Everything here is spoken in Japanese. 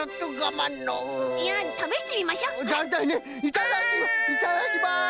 いただきます！